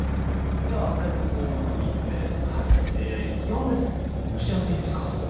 ではお伝えする項目、３つ目です。